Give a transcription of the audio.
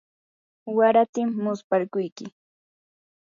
waratim musparquyki.